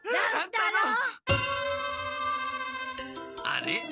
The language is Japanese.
あれ？